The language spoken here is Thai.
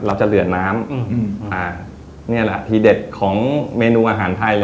เราจะเหลือน้ำนี่แหละที่เด็ดของเมนูอาหารไทยเลย